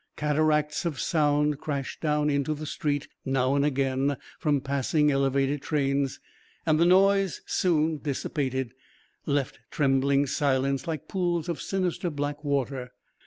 Cataracts of sound crashed down into the street now and again from passing elevated trains, and the noise, soon dissipated, left trembling silence like pools of sinister black water.